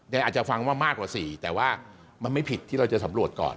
แต่อาจจะฟังว่ามากกว่า๔แต่ว่ามันไม่ผิดที่เราจะสำรวจก่อน